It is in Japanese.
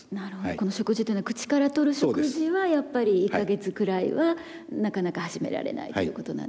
この食事というのは口からとる食事はやっぱり１か月くらいはなかなか始められないということなんですね。